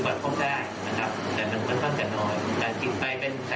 ก็คือต้องการที่ยังไม่เกิดโฆษณ์โทยในทีหรือว่าความคุ้มแรงนะครับ